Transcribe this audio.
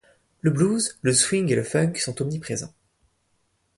Le blues, le swing et le funk sont omniprésents.